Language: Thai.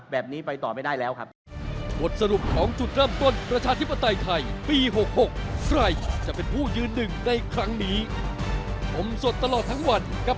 แบบนี้ไปต่อไม่ได้แล้วครับ